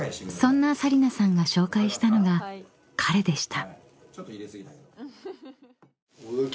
［そんな紗理那さんが紹介したのが彼でした］